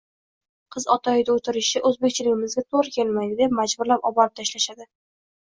“Qiz ota uyida oʻtirishi- oʻzbekchiligimizga toʻgʻri kemaydi” deb majburlab oborib tashlashadi.